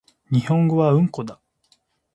日本語はうんこだ